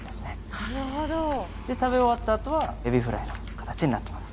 なるほど食べ終わったあとはエビフライの形になってます